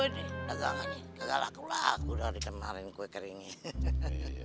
dagangannya gagal laku laku dari kemarin kue keringnya